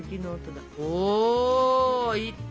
おいった！